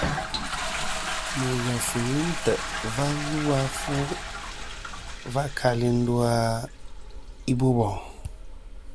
Mɨghef ghɨ ntè' va lu a fu va kali ndu a i Boboŋ.